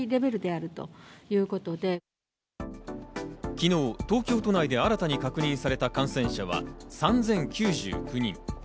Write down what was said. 昨日、東京都内で新たに確認された感染者は３０９９人。